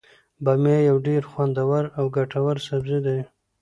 بامیه یو ډیر خوندور او ګټور سبزي دی.